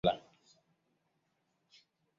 Katika dini mbalimbali, ni wakati muhimu wa sala.